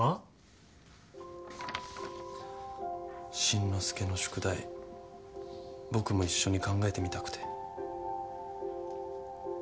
進之介の宿題僕も一緒に考えてみたくて。